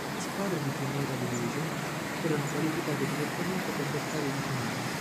Le squadre di Primera División erano qualificate direttamente per gli ottavi di finale.